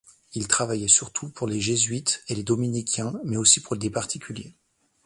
Il travaillait surtout pour les jésuites et les dominicains, mais aussi pour des particuliers.